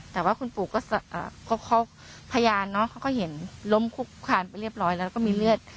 แต่ว่าคุณปู่ก็เขาพยานเนอะเขาก็เห็นล้มคุกคานไปเรียบร้อยแล้วก็มีเลือด